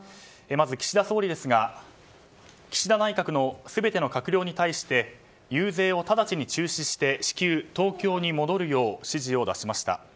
まず岸田総理ですが岸田内閣の全ての閣僚に対して遊説を直ちに中止して至急東京に戻るよう指示を出しました。